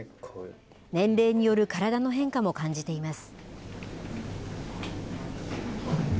年齢による体の変化も感じています。